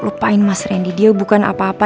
lupain mas randy dia bukan apa apa